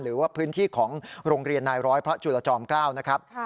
หรือว่าพื้นที่ของโรงเรียนนายร้อยพระจุลจอม๙นะครับ